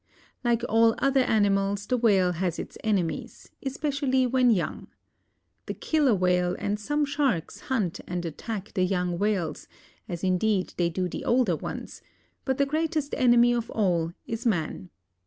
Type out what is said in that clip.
Like all other animals the whale has its enemies, especially when young. The killer whale and some sharks hunt and attack the young whales, as indeed they do the older ones; but the greatest enemy of all is man.